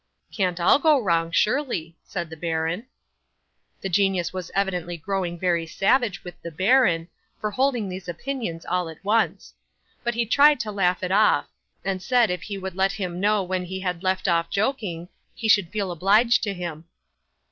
'"Can't all go wrong, surely," said the baron. 'The genius was evidently growing very savage with the baron, for holding these opinions all at once; but he tried to laugh it off, and said if he would let him know when he had left off joking he should feel obliged to him.